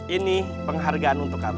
ini penghargaan untuk kamu